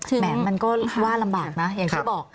อื้มแต่มันก็ว่ารำบากนะอย่างที่บอก